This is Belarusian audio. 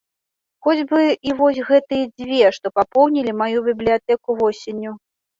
Хоць бы і вось гэтыя дзве, што папоўнілі маю бібліятэку восенню.